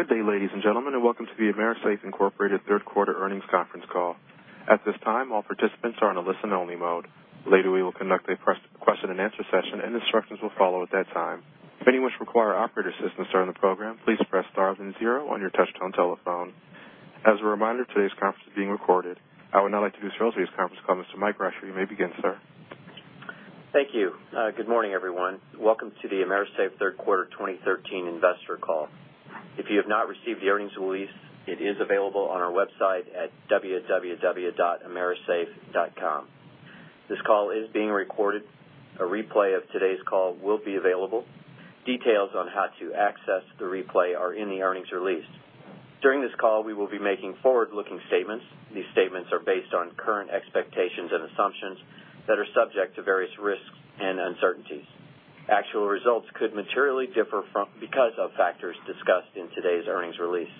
Good day, ladies and gentlemen, and welcome to the AMERISAFE, Inc. third quarter earnings conference call. At this time, all participants are on a listen only mode. Later, we will conduct a question and answer session, and instructions will follow at that time. If any wish to require operator assistance during the program, please press star and zero on your touchtone telephone. As a reminder, today's conference is being recorded. I would now like to introduce today's conference call, Mr. Mike Rascher. You may begin, sir. Thank you. Good morning, everyone. Welcome to the AMERISAFE third quarter 2013 investor call. If you have not received the earnings release, it is available on our website at www.amerisafe.com. This call is being recorded. A replay of today's call will be available. Details on how to access the replay are in the earnings release. During this call, we will be making forward-looking statements. These statements are based on current expectations and assumptions that are subject to various risks and uncertainties. Actual results could materially differ because of factors discussed in today's earnings release,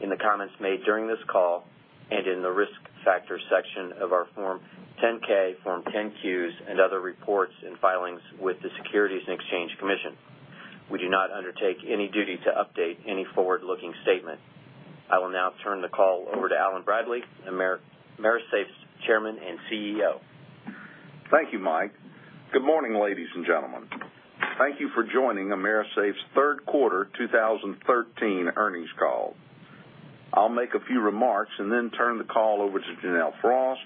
in the comments made during this call, and in the risk factor section of our Form 10-K, Form 10-Qs, and other reports and filings with the Securities and Exchange Commission. We do not undertake any duty to update any forward-looking statement. I will now turn the call over to Allen Bradley, AMERISAFE's Chairman and CEO. Thank you, Mike. Good morning, ladies and gentlemen. Thank you for joining AMERISAFE's third quarter 2013 earnings call. I'll make a few remarks and then turn the call over to Janelle Frost,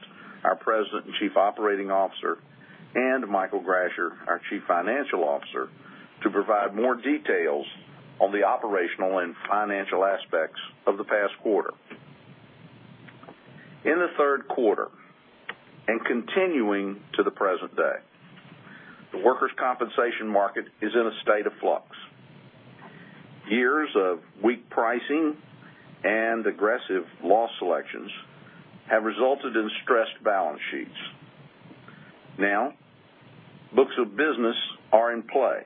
our President and Chief Operating Officer, and Michael Rascher, our Chief Financial Officer, to provide more details on the operational and financial aspects of the past quarter. In the third quarter, and continuing to the present day, the workers' compensation market is in a state of flux. Years of weak pricing and aggressive loss selections have resulted in stressed balance sheets. Books of business are in play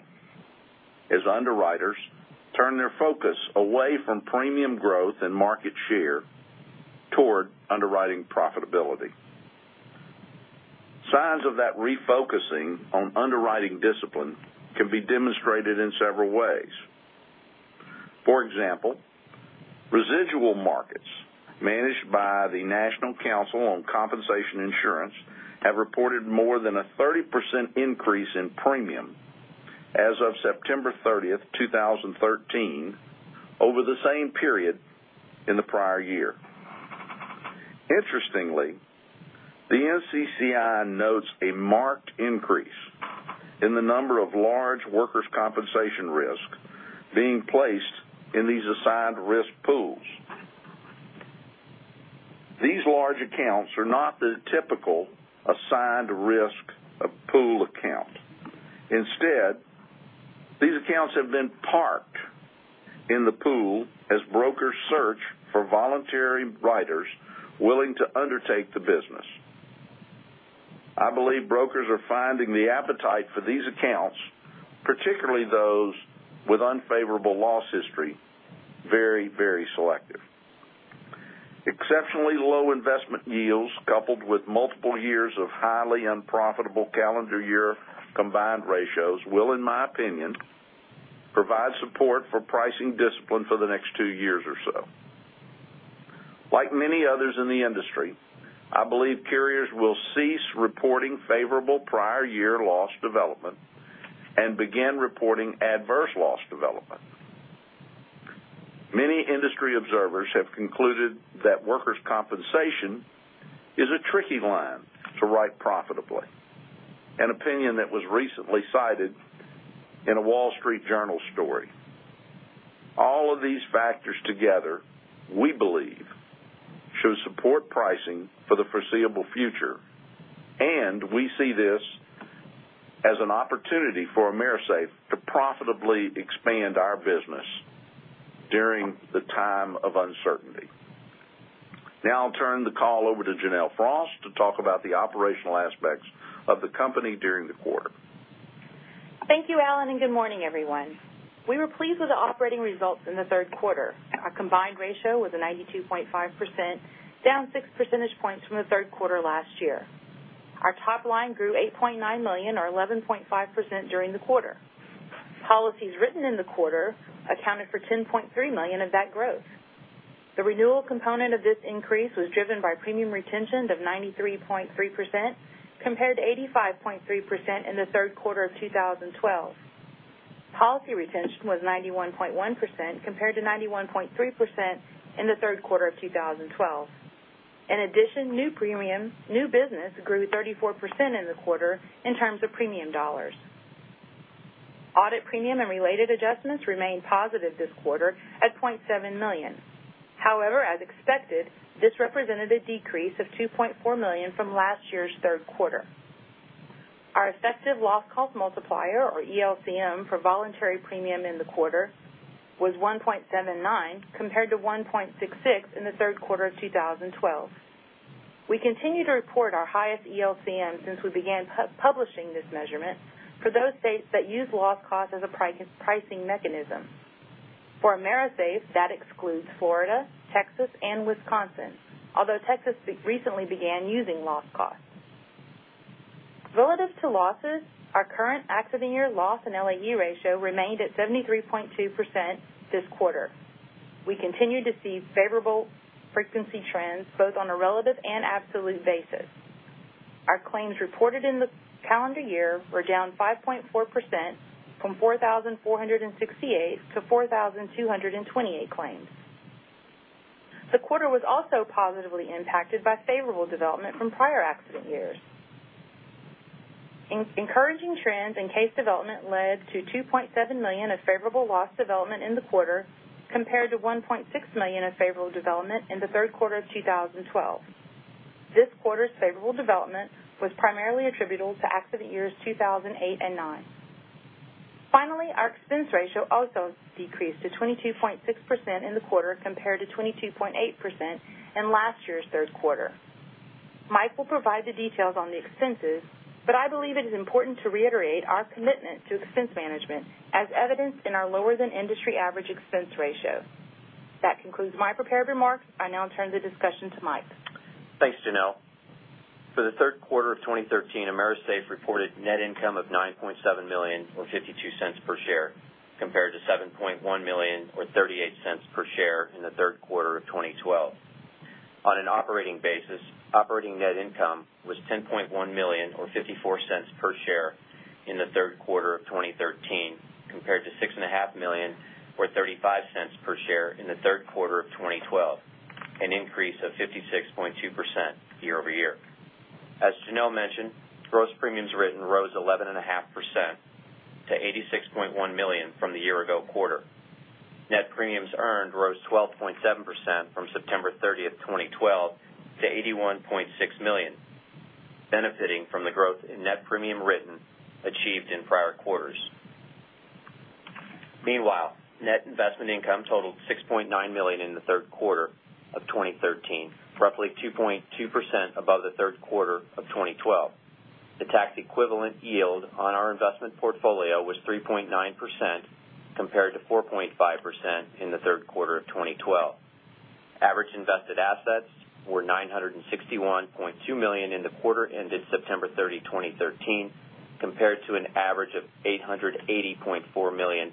as underwriters turn their focus away from premium growth and market share toward underwriting profitability. Signs of that refocusing on underwriting discipline can be demonstrated in several ways. For example, residual markets managed by the National Council on Compensation Insurance have reported more than a 30% increase in premium as of September 30th, 2013, over the same period in the prior year. Interestingly, the NCCI notes a marked increase in the number of large workers' compensation risks being placed in these assigned risk pools. These large accounts are not the typical assigned risk pool account. Instead, these accounts have been parked in the pool as brokers search for voluntary writers willing to undertake the business. I believe brokers are finding the appetite for these accounts, particularly those with unfavorable loss history, very selective. Exceptionally low investment yields, coupled with multiple years of highly unprofitable calendar year combined ratios will, in my opinion, provide support for pricing discipline for the next two years or so. Like many others in the industry, I believe carriers will cease reporting favorable prior year loss development and begin reporting adverse loss development. Many industry observers have concluded that workers' compensation is a tricky line to write profitably, an opinion that was recently cited in a Wall Street Journal story. All of these factors together, we believe, should support pricing for the foreseeable future, and we see this as an opportunity for AMERISAFE to profitably expand our business during the time of uncertainty. I'll turn the call over to Janelle Frost to talk about the operational aspects of the company during the quarter. Thank you, Allen, good morning, everyone. We were pleased with the operating results in the third quarter. Our combined ratio was a 92.5%, down six percentage points from the third quarter last year. Our top line grew $8.9 million or 11.5% during the quarter. Policies written in the quarter accounted for $10.3 million of that growth. The renewal component of this increase was driven by premium retention of 93.3%, compared to 85.3% in the third quarter of 2012. Policy retention was 91.1%, compared to 91.3% in the third quarter of 2012. In addition, new business grew 34% in the quarter in terms of premium dollars. Audit premium and related adjustments remained positive this quarter at $0.7 million. However, as expected, this represented a decrease of $2.4 million from last year's third quarter. Our effective loss cost multiplier, or ELCM, for voluntary premium in the quarter was 1.79, compared to 1.66 in the third quarter of 2012. We continue to report our highest ELCM since we began publishing this measurement for those states that use loss cost as a pricing mechanism. For AMERISAFE, that excludes Florida, Texas, and Wisconsin, although Texas recently began using loss cost. Relative to losses, our current accident year loss in LAE ratio remained at 73.2% this quarter. We continue to see favorable frequency trends, both on a relative and absolute basis. Our claims reported in the calendar year were down 5.4%, from 4,468 to 4,228 claims. The quarter was also positively impacted by favorable development from prior accident years. Encouraging trends in case development led to $2.7 million of favorable loss development in the quarter, compared to $1.6 million in favorable development in the third quarter of 2012. This quarter's favorable development was primarily attributable to accident years 2008 and 2009. Finally, our expense ratio also decreased to 22.6% in the quarter, compared to 22.8% in last year's third quarter. Mike will provide the details on the expenses, I believe it is important to reiterate our commitment to expense management, as evidenced in our lower-than-industry-average expense ratio. That concludes my prepared remarks. I now turn the discussion to Mike. Thanks, Janelle. For the third quarter of 2013, AMERISAFE reported net income of $9.7 million, or $0.52 per share, compared to $7.1 million or $0.38 per share in the third quarter of 2012. On an operating basis, operating net income was $10.1 million or $0.54 per share in the third quarter of 2013, compared to $6.5 million or $0.35 per share in the third quarter of 2012, an increase of 56.2% year-over-year. As Janelle mentioned, gross premiums written rose 11.5% to $86.1 million from the year-ago quarter. Net premiums earned rose 12.7% from September 30, 2012 to $81.6 million, benefiting from the growth in net premium written achieved in prior quarters. Meanwhile, net investment income totaled $6.9 million in the third quarter of 2013, roughly 2.2% above the third quarter of 2012. The tax-equivalent yield on our investment portfolio was 3.9%, compared to 4.5% in the third quarter of 2012. Average invested assets were $961.2 million in the quarter ended September 30, 2013, compared to an average of $880.4 million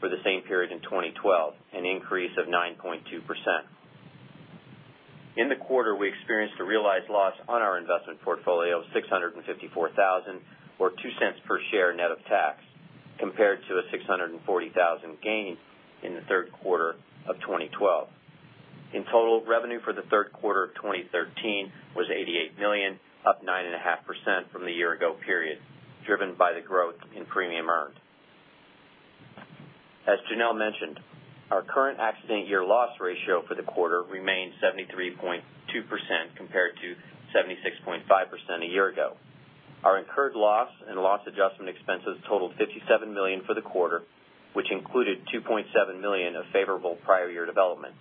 for the same period in 2012, an increase of 9.2%. In the quarter, we experienced a realized loss on our investment portfolio of $654,000, or $0.02 per share net of tax, compared to a $640,000 gain in the third quarter of 2012. In total, revenue for the third quarter of 2013 was $88 million, up 9.5% from the year-ago period, driven by the growth in premium earned. As Janelle mentioned, our current accident year loss ratio for the quarter remained 73.2%, compared to 76.5% a year ago. Our incurred loss and loss adjustment expenses totaled $57 million for the quarter, which included $2.7 million of favorable prior year development.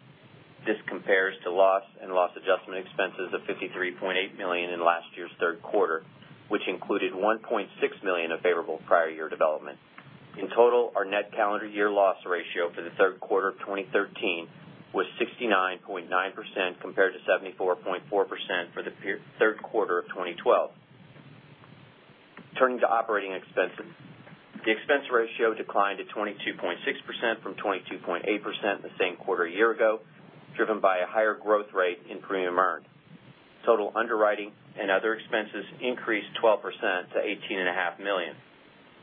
This compares to loss and loss adjustment expenses of $53.8 million in last year's third quarter, which included $1.6 million of favorable prior year development. In total, our net calendar year loss ratio for the third quarter of 2013 was 69.9%, compared to 74.4% for the third quarter of 2012. Turning to operating expenses. The expense ratio declined to 22.6% from 22.8% the same quarter a year ago, driven by a higher growth rate in premium earned. Total underwriting and other expenses increased 12% to $18.5 million.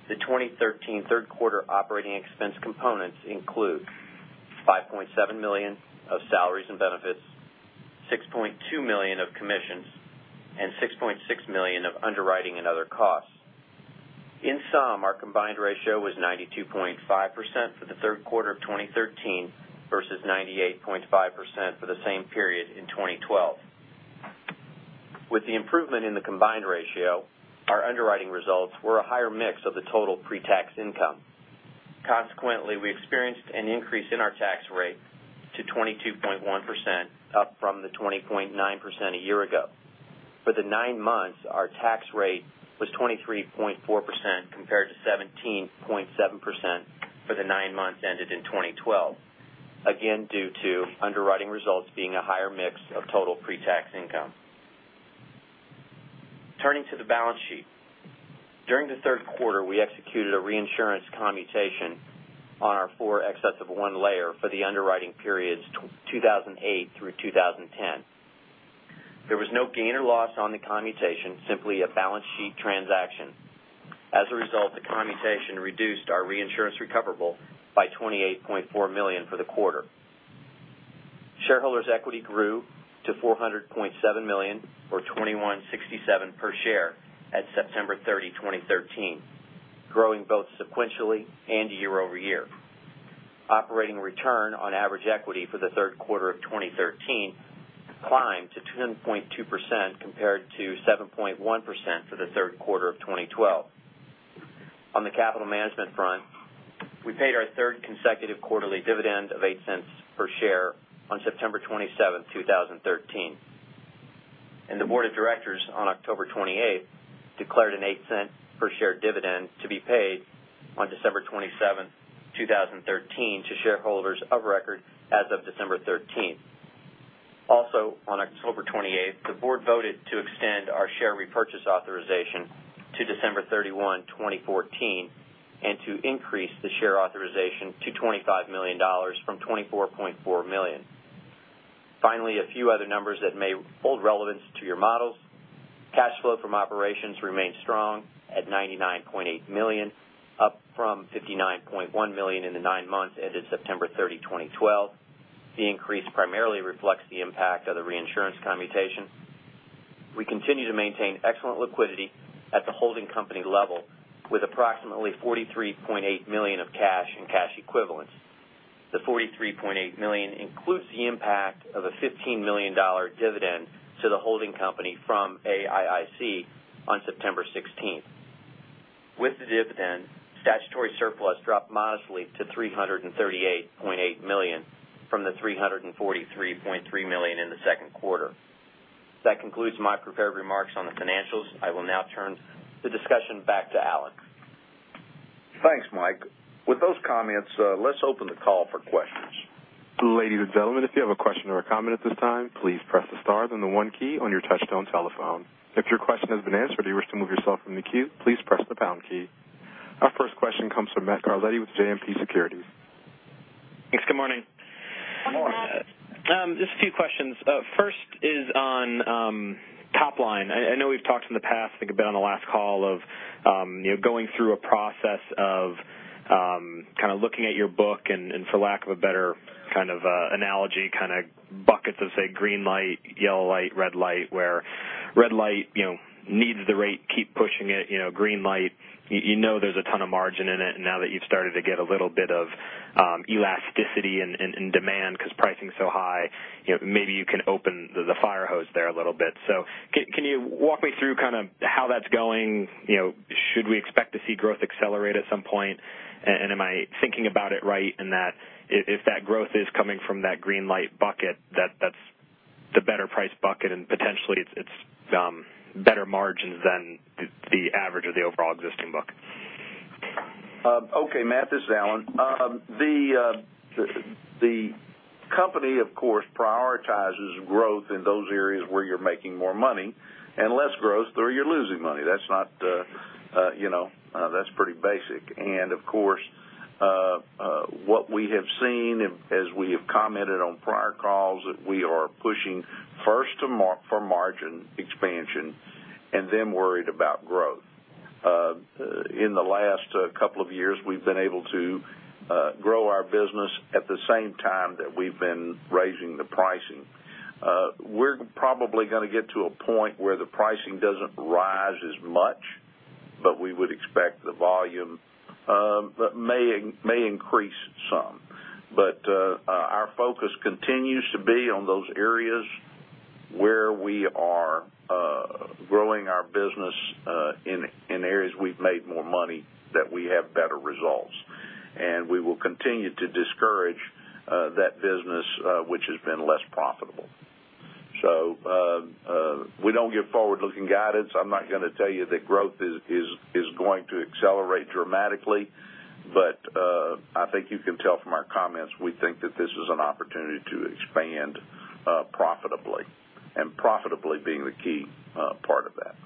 The 2013 third quarter operating expense components include $5.7 million of salaries and benefits, $6.2 million of commissions, and $6.6 million of underwriting and other costs. In sum, our combined ratio was 92.5% for the third quarter of 2013 versus 98.5% for the same period in 2012. With the improvement in the combined ratio, our underwriting results were a higher mix of the total pre-tax income. Consequently, we experienced an increase in our tax rate to 22.1%, up from the 20.9% a year ago. For the nine months, our tax rate was 23.4%, compared to 17.7% for the nine months ended in 2012, again, due to underwriting results being a higher mix of total pre-tax income. Turning to the balance sheet. During the third quarter, we executed a reinsurance commutation on our 4 xs 1 layer for the underwriting periods 2008 through 2010. There was no gain or loss on the commutation, simply a balance sheet transaction. As a result, the commutation reduced our reinsurance recoverable by $28.4 million for the quarter. Shareholders' equity grew to $400.7 million, or $21.67 per share at September 30, 2013, growing both sequentially and year-over-year. Operating return on average equity for the third quarter of 2013 climbed to 10.2%, compared to 7.1% for the third quarter of 2012. On the capital management front, we paid our third consecutive quarterly dividend of $0.08 per share on September 27, 2013. The board of directors, on October 28, declared an $0.08 per share dividend to be paid on December 27, 2013 to shareholders of record as of December 13. Also, on October 28, the board voted to extend our share repurchase authorization to December 31, 2014, and to increase the share authorization to $25 million from $24.4 million. Finally, a few other numbers that may hold relevance to your models. Cash flow from operations remains strong at $99.8 million, up from $59.1 million in the nine months ended September 30, 2012. The increase primarily reflects the impact of the reinsurance commutation. We continue to maintain excellent liquidity at the holding company level with approximately $43.8 million of cash and cash equivalents. The $43.8 million includes the impact of a $15 million dividend to the holding company from AIIC on September 16. With the dividend, statutory surplus dropped modestly to $338.8 million from the $343.3 million in the second quarter. That concludes my prepared remarks on the financials. I will now turn the discussion back to Allen. Thanks, Michael. With those comments, let's open the call for questions. Ladies and gentlemen, if you have a question or a comment at this time, please press the star then the one key on your touchtone telephone. If your question has been answered or you wish to remove yourself from the queue, please press the pound key. Our first question comes from Matthew Carletti with JMP Securities. Thanks. Good morning. Good morning. Just a few questions. First is on top line. I know we've talked in the past, I think a bit on the last call of going through a process of kind of looking at your book and for lack of a better analogy, kind of buckets of, say, green light, yellow light, red light. Where red light needs the rate, keep pushing it. Green light, you know there's a ton of margin in it, and now that you've started to get a little bit of elasticity and demand because pricing's so high, maybe you can open the fire hose there a little bit. Can you walk me through how that's going? Should we expect to see growth accelerate at some point? Am I thinking about it right in that if that growth is coming from that green light bucket, that's the better price bucket, and potentially it's better margins than the average of the overall existing book? Okay, Matt, this is Allen. The company, of course, prioritizes growth in those areas where you're making more money and less growth where you're losing money. That's pretty basic. Of course, what we have seen as we have commented on prior calls, we are pushing first for margin expansion and then worried about growth. In the last couple of years, we've been able to grow our business at the same time that we've been raising the pricing. We're probably going to get to a point where the pricing doesn't rise as much, but we would expect the volume may increase some. Our focus continues to be on those areas where we are growing our business in areas we've made more money that we have better results. We will continue to discourage that business which has been less profitable. We don't give forward-looking guidance. I'm not going to tell you that growth is going to accelerate dramatically. I think you can tell from our comments, we think that this is an opportunity to expand profitably, and profitably being the key part of that.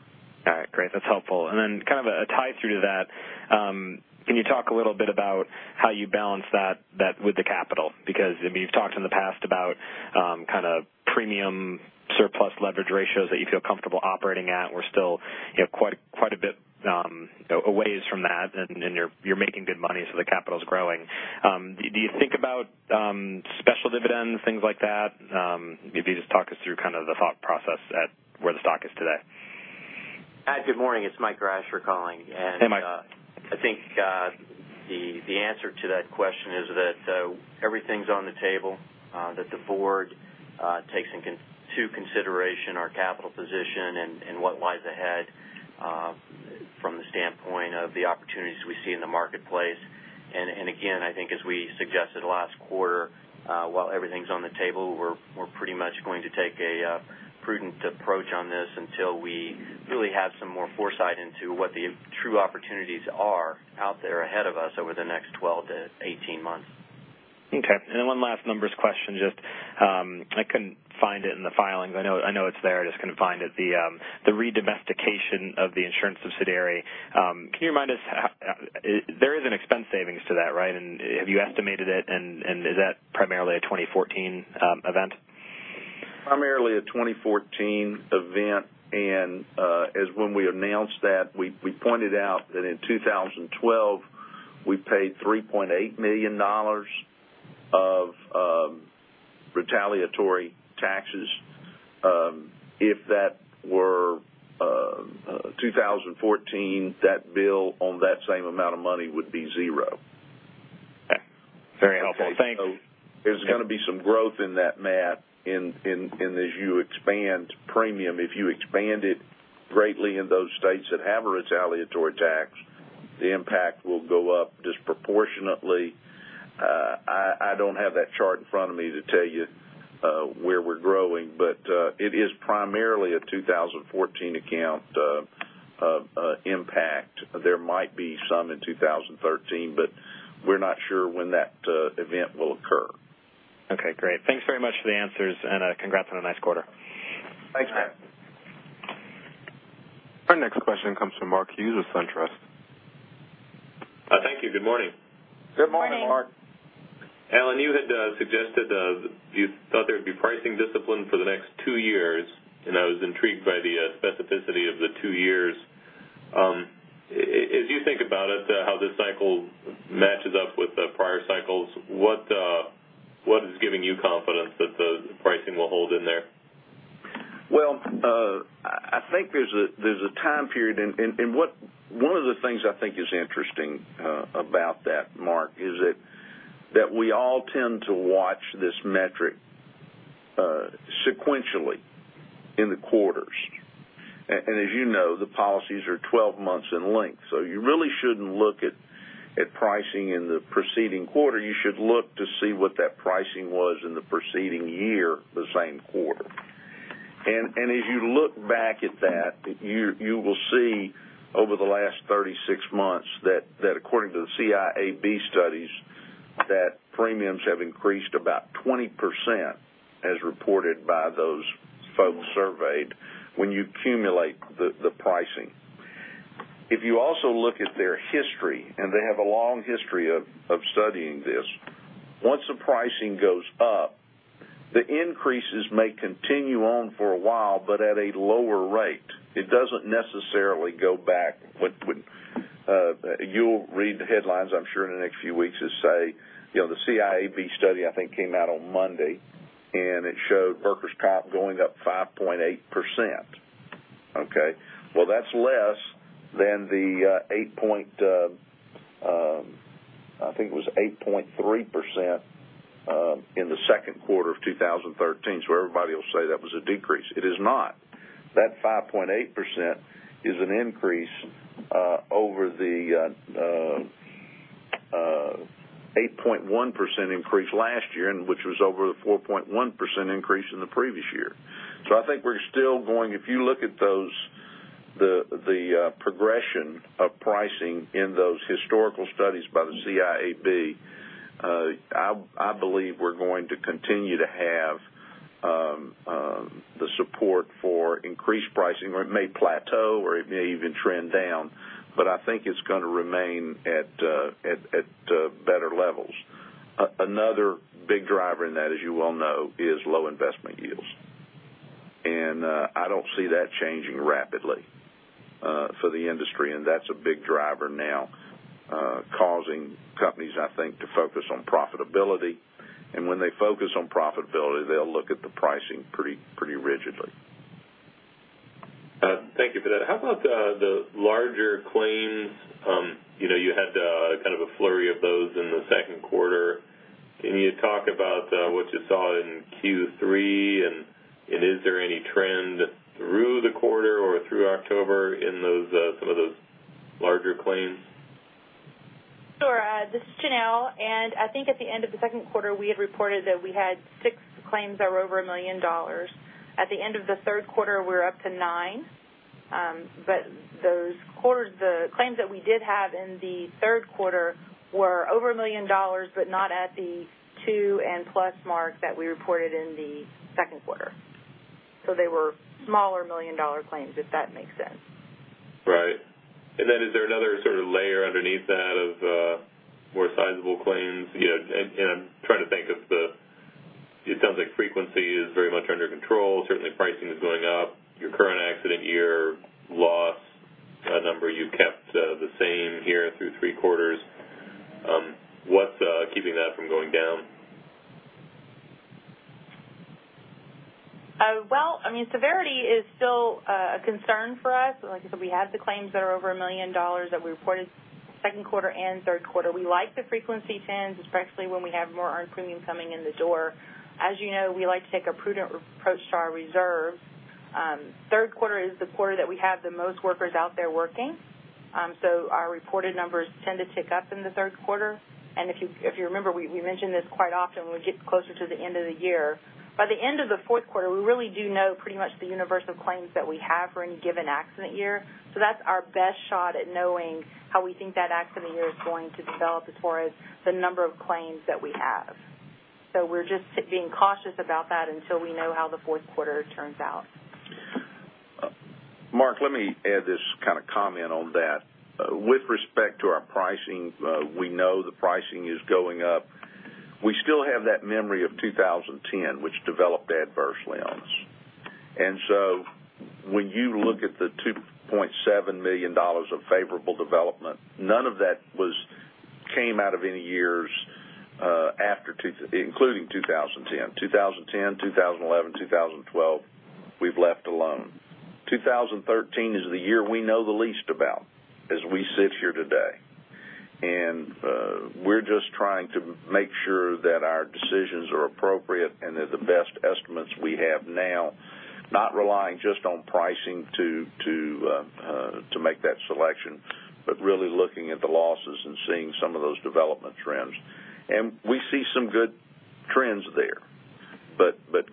All right, great. That's helpful. Then kind of a tie through to that, can you talk a little bit about how you balance that with the capital? Because you've talked in the past about kind of premium surplus leverage ratios that you feel comfortable operating at. We're still quite a bit a ways from that, and you're making good money, so the capital's growing. Do you think about special dividends, things like that? Maybe just talk us through kind of the thought process at where the stock is today. Hi, good morning. It's Michael Rascher calling. Hey, Mike. Again, I think as we suggested last quarter, while everything's on the table, we're pretty much going to take a prudent approach on this until we really have some more foresight into what the true opportunities are out there ahead of us over the next 12-18 months. Okay. Then one last numbers question. I couldn't find it in the filings. I know it's there, I just couldn't find it. The re-domestication of the insurance subsidiary. There is an expense savings to that, right? Have you estimated it, and is that primarily a 2014 event? Primarily a 2014 event, and as when we announced that, we pointed out that in 2012, we paid $3.8 million of retaliatory taxes. If that were 2014, that bill on that same amount of money would be zero. Okay. Very helpful. Thank you. There's going to be some growth in that, Matt, and as you expand premium, if you expand it greatly in those states that have a retaliatory tax, the impact will go up disproportionately. I don't have that chart in front of me to tell you where we're growing, but it is primarily a 2014 account-impact. There might be some in 2013, but we're not sure when that event will occur. Okay, great. Thanks very much for the answers and congrats on a nice quarter. Thanks, Matt. Our next question comes from Mark Hughes with SunTrust. Thank you. Good morning. Good morning, Mark. Morning. Allen, you had suggested you thought there would be pricing discipline for the next two years. I was intrigued by the specificity of the two years. As you think about it, how this cycle matches up with prior cycles, what is giving you confidence that the pricing will hold in there? Well, I think there's a time period and one of the things I think is interesting about that, Mark, is that we all tend to watch this metric sequentially in the quarters. As you know, the policies are 12 months in length. You really shouldn't look at pricing in the preceding quarter, you should look to see what that pricing was in the preceding year, the same quarter. As you look back at that, you will see over the last 36 months that according to the CIAB studies, that premiums have increased about 20% as reported by those folks surveyed when you accumulate the pricing. If you also look at their history, and they have a long history of studying this, once the pricing goes up, the increases may continue on for a while, but at a lower rate. It doesn't necessarily go back. You'll read the headlines, I'm sure, in the next few weeks that say, the CIAB study, I think came out on Monday, and it showed workers' comp going up 5.8%. Okay. Well, that's less than the, I think it was 8.3% in the second quarter of 2013. Everybody will say that was a decrease. It is not. That 5.8% is an increase over the 8.1% increase last year, which was over the 4.1% increase in the previous year. I think we're still going. If you look at the progression of pricing in those historical studies by the CIAB, I believe we're going to continue to have the support for increased pricing, or it may plateau, or it may even trend down, but I think it's going to remain at better levels. Another big driver in that, as you well know, is low investment yields. I don't see that changing rapidly for the industry, and that's a big driver now, causing companies, I think, to focus on profitability. When they focus on profitability, they'll look at the pricing pretty rigidly. Thank you for that. How about the larger claims? You had a flurry of those in the second quarter. Can you talk about what you saw in Q3, and is there any trend through the quarter or through October in some of those larger claims? Sure. This is Janelle. I think at the end of the second quarter, we had reported that we had six claims that were over $1 million. At the end of the third quarter, we were up to nine. The claims that we did have in the third quarter were over $1 million, but not at the two and plus mark that we reported in the second quarter. They were smaller million-dollar claims, if that makes sense. Right. Is there another sort of layer underneath that of more sizable claims? I'm trying to think. It sounds like frequency is very much under control. Certainly, pricing is going up. Your current accident year loss number, you've kept the same here through three quarters. What's keeping that from going down? Well, severity is still a concern for us. Like I said, we have the claims that are over $1 million that we reported second quarter and third quarter. We like the frequency trends, especially when we have more earned premium coming in the door. As you know, we like to take a prudent approach to our reserve. Third quarter is the quarter that we have the most workers out there working. Our reported numbers tend to tick up in the third quarter. If you remember, we mentioned this quite often when we get closer to the end of the year. By the end of the fourth quarter, we really do know pretty much the universe of claims that we have for any given accident year. That's our best shot at knowing how we think that accident year is going to develop as far as the number of claims that we have. We're just being cautious about that until we know how the fourth quarter turns out. Mark, let me add this comment on that. With respect to our pricing, we know the pricing is going up. We still have that memory of 2010, which developed adversely on us. When you look at the $2.7 million of favorable development, none of that came out of any years including 2010. 2010, 2011, 2012, we've left alone. 2013 is the year we know the least about as we sit here today. We're just trying to make sure that our decisions are appropriate and that the best estimates we have now, not relying just on pricing to make that selection, but really looking at the losses and seeing some of those development trends. We see some good trends there.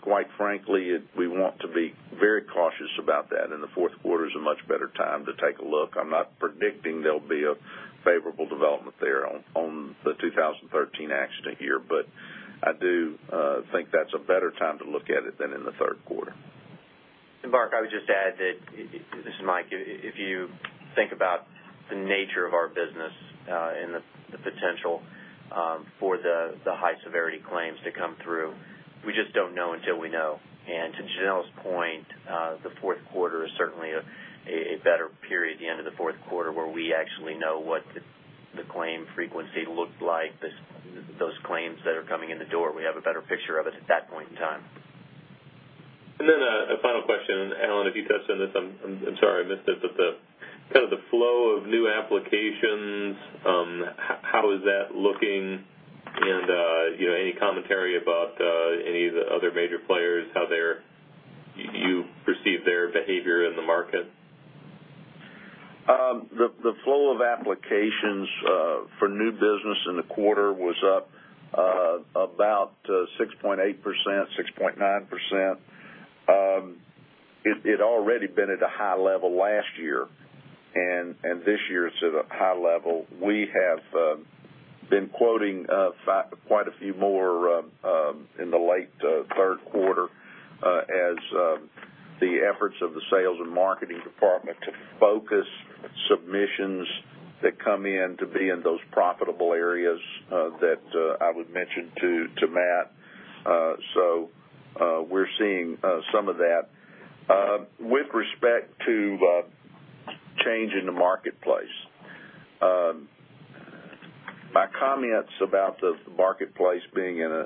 Quite frankly, we want to be very cautious about that, and the fourth quarter's a much better time to take a look. I'm not predicting there'll be a favorable development there on the 2013 accident year, but I do think that's a better time to look at it than in the third quarter. Mark, I would just add that, this is Mike, if you think about the nature of our business and the potential for the high severity claims to come through, we just don't know until we know. To Janelle's point, the fourth quarter is certainly a better period, the end of the fourth quarter, where we actually know what the claim frequency looked like. Those claims that are coming in the door, we have a better picture of it at that point in time. A final question, Allen, if you touched on this, I'm sorry I missed it, but the flow of new applications, how is that looking? Any commentary about any of the other major players, how you perceive their behavior in the market? The flow of applications for new business in the quarter was up about 6.8%, 6.9%. It already been at a high level last year, and this year it's at a high level. We have been quoting quite a few more in the late third quarter as the efforts of the sales and marketing department to focus submissions that come in to be in those profitable areas that I would mention to Matt. We're seeing some of that. With respect to change in the marketplace, my comments about the marketplace being in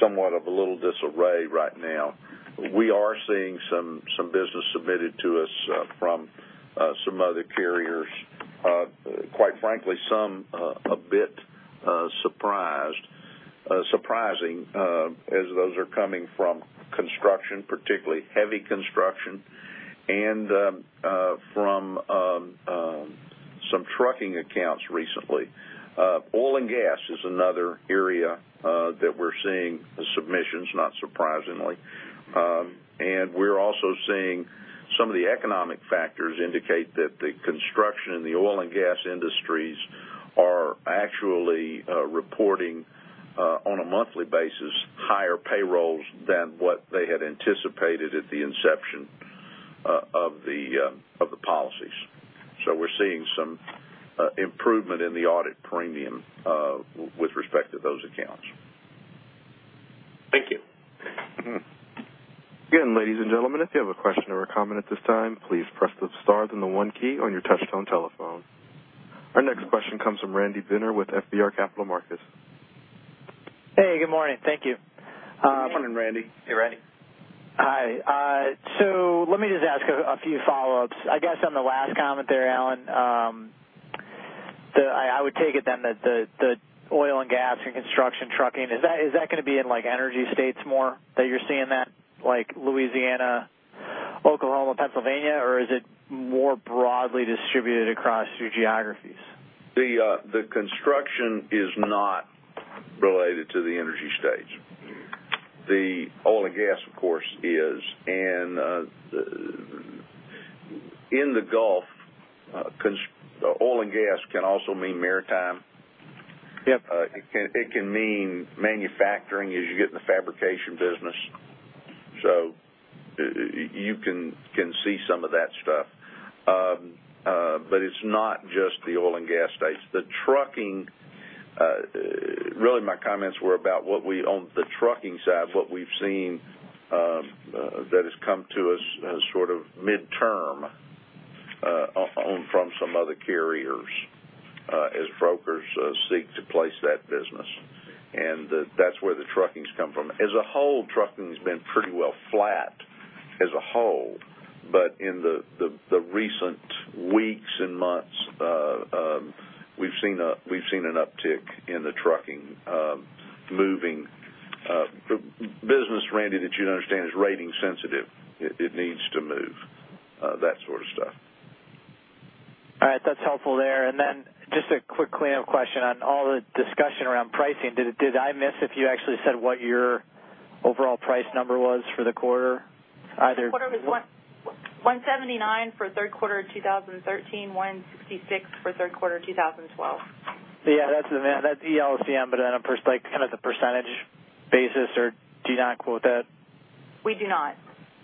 somewhat of a little disarray right now, we are seeing some business submitted to us from some other carriers. Quite frankly, some a bit surprising as those are coming from construction, particularly heavy construction, and from some trucking accounts recently. Oil and gas is another area that we're seeing submissions, not surprisingly. We're also seeing some of the economic factors indicate that the construction in the oil and gas industries are actually reporting on a monthly basis higher payrolls than what they had anticipated at the inception of the policies. We're seeing some improvement in the audit premium with respect to those accounts. Thank you. Again, ladies and gentlemen, if you have a question or a comment at this time, please press the star then the one key on your touch tone telephone. Our next question comes from Randy Binner with FBR Capital Markets. Hey, good morning. Thank you. Morning, Randy. Hey, Randy. Hi. Let me just ask a few follow-ups. I guess on the last comment there, Allen, I would take it then that the oil and gas and construction trucking, is that going to be in like energy states more that you're seeing that? Like Louisiana, Oklahoma, Pennsylvania, or is it more broadly distributed across your geographies? The construction is not related to the energy states. The oil and gas, of course, is. In the Gulf, oil and gas can also mean maritime. Yep. It can mean manufacturing as you get in the fabrication business. You can see some of that stuff. It's not just the oil and gas states. Really, my comments were about on the trucking side, what we've seen that has come to us as sort of midterm from some other carriers, as brokers seek to place that business. That's where the trucking's come from. As a whole, trucking's been pretty well flat as a whole, but in the recent weeks and months, we've seen an uptick in the trucking moving. Business, Randy, that you'd understand, is rating sensitive. It needs to move, that sort of stuff. All right. That's helpful there. Then just a quick cleanup question on all the discussion around pricing. Did I miss if you actually said what your overall price number was for the quarter? The quarter was 179 for third quarter 2013, 166 for third quarter 2012. Yeah, that's the ELCM, but then on kind of the percentage basis, or do you not quote that? We do not.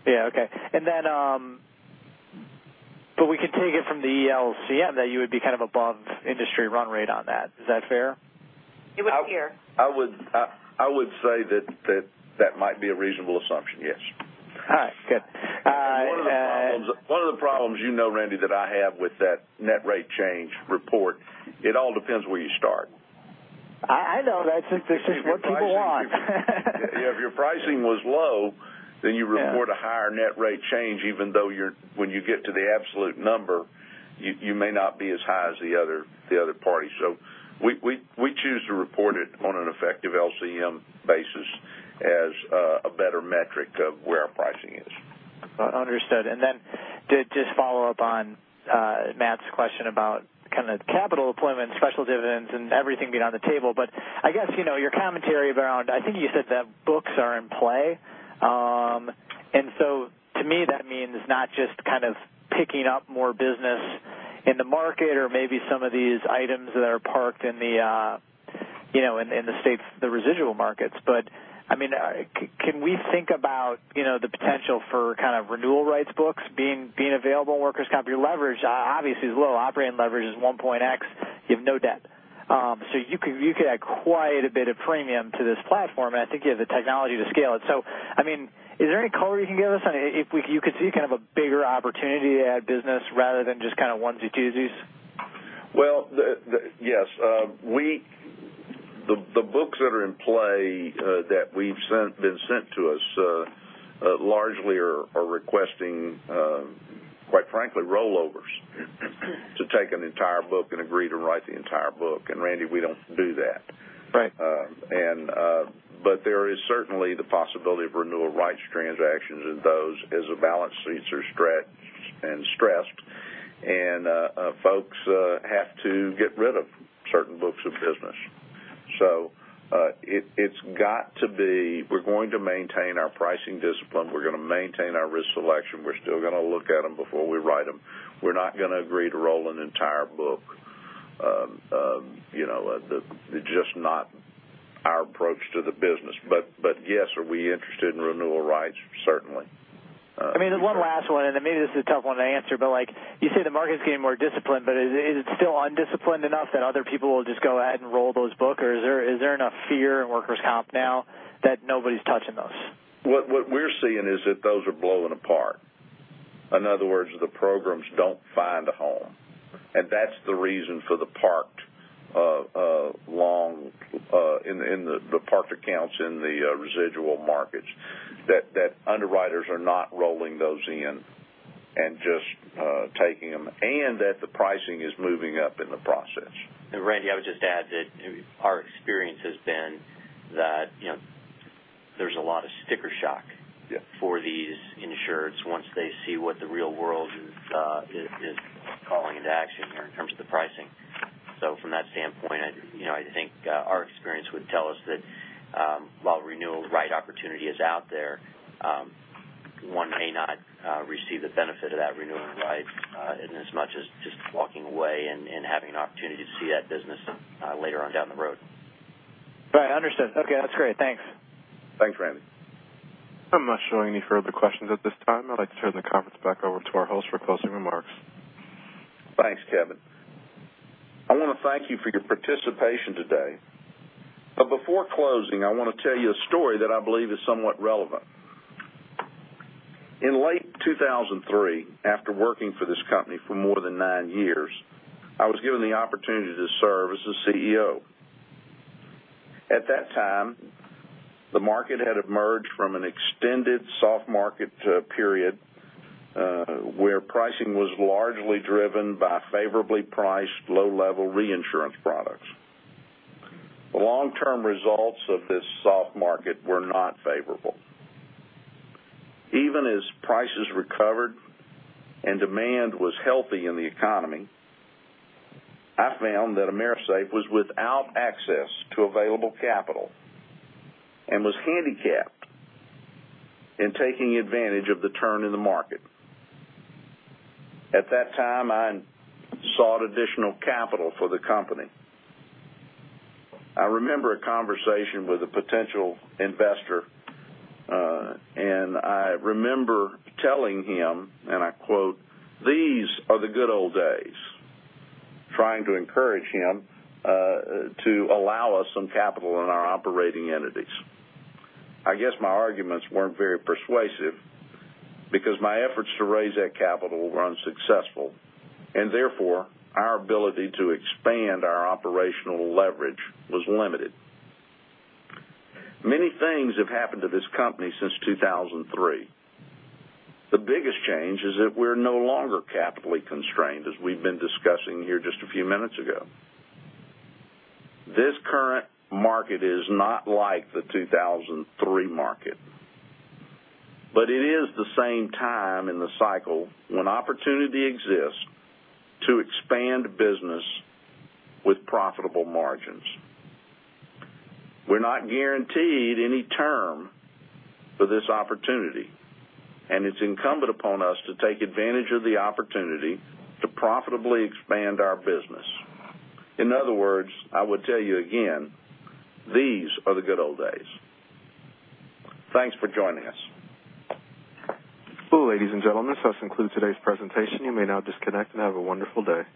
Yeah. Okay. We could take it from the ELCM that you would be kind of above industry run rate on that. Is that fair? It was here. I would say that might be a reasonable assumption, yes. All right, good. One of the problems you know, Randy, that I have with that net rate change report, it all depends where you start. I know. That's just what people want. If your pricing was low, you report a higher net rate change even though when you get to the absolute number, you may not be as high as the other party. We choose to report it on an effective LCM basis as a better metric of where our pricing is. Understood. To just follow up on Matt's question about capital deployment, special dividends, and everything being on the table. I guess, your commentary around, I think you said that books are in play. To me, that means not just picking up more business in the market or maybe some of these items that are parked in the residual markets. Can we think about the potential for renewal rights books being available in workers' comp? Your leverage obviously is low. Operating leverage is one point X. You have no debt. You could add quite a bit of premium to this platform, and I think you have the technology to scale it. Is there any color you can give us on if you could see a bigger opportunity to add business rather than just onesie-twosies? Well, yes. The books that are in play that have been sent to us largely are requesting, quite frankly, rollovers to take an entire book and agree to write the entire book. Randy, we don't do that. Right. There is certainly the possibility of renewal rights transactions as those, as the balance sheets are stretched and stressed, and folks have to get rid of certain books of business. We're going to maintain our pricing discipline. We're going to maintain our risk selection. We're still going to look at them before we write them. We're not going to agree to roll an entire book. It's just not our approach to the business. Yes, are we interested in renewal rights? Certainly. Maybe this is a tough one to answer, you say the market's getting more disciplined, is it still undisciplined enough that other people will just go ahead and roll those books? Is there enough fear in workers' comp now that nobody's touching those? What we're seeing is that those are blowing apart. In other words, the programs don't find a home, that's the reason for the parked accounts in the residual markets, that underwriters are not rolling those in and just taking them, that the pricing is moving up in the process. Randy, I would just add that our experience has been that there's a lot of sticker shock for these insureds once they see what the real world is calling into action here in terms of the pricing. From that standpoint, I think our experience would tell us that while renewal right opportunity is out there, one may not receive the benefit of that renewal right inasmuch as just walking away and having an opportunity to see that business later on down the road. Right. Understood. Okay. That's great. Thanks. Thanks, Randy. I'm not showing any further questions at this time. I'd like to turn the conference back over to our host for closing remarks. Thanks, Kevin. I want to thank you for your participation today. Before closing, I want to tell you a story that I believe is somewhat relevant. In late 2003, after working for this company for more than nine years, I was given the opportunity to serve as the CEO. At that time, the market had emerged from an extended soft market period, where pricing was largely driven by favorably priced low-level reinsurance products. The long-term results of this soft market were not favorable. Even as prices recovered and demand was healthy in the economy, I found that AMERISAFE was without access to available capital and was handicapped in taking advantage of the turn in the market. At that time, I sought additional capital for the company. I remember a conversation with a potential investor, and I remember telling him, and I quote, "These are the good old days," trying to encourage him to allow us some capital in our operating entities. I guess my arguments weren't very persuasive because my efforts to raise that capital were unsuccessful, and therefore, our ability to expand our operational leverage was limited. Many things have happened to this company since 2003. The biggest change is that we're no longer capitally constrained, as we've been discussing here just a few minutes ago. This current market is not like the 2003 market, but it is the same time in the cycle when opportunity exists to expand business with profitable margins. We're not guaranteed any term for this opportunity, and it's incumbent upon us to take advantage of the opportunity to profitably expand our business. In other words, I would tell you again, these are the good old days. Thanks for joining us. Well, ladies and gentlemen, this does conclude today's presentation. You may now disconnect, and have a wonderful day.